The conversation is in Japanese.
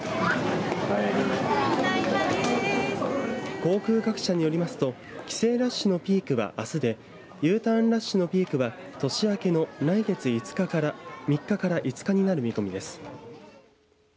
航空各社によりますと帰省ラッシュのピークはあすでＵターンラッシュのピークは年明けの来月３日から５日になる見込みです。